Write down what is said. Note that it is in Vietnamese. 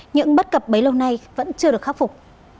những bất cập bấy lâu nay vẫn chưa được khắc phục